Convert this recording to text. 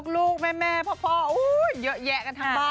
ลูกแม่พ่อเยอะแยะกันอ่ะ